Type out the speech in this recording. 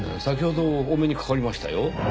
先ほどお目にかかりましたよ。